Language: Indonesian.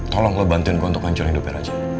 tolong lo bantuin gue untuk hancurin hidupnya raja